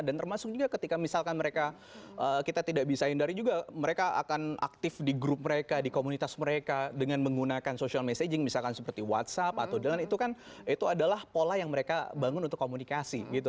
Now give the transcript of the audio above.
termasuk juga ketika misalkan mereka kita tidak bisa hindari juga mereka akan aktif di grup mereka di komunitas mereka dengan menggunakan social messaging misalkan seperti whatsapp atau itu adalah pola yang mereka bangun untuk komunikasi gitu